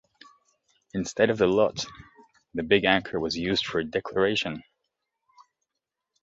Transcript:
Instead of the lot the big anchor was used for deceleration.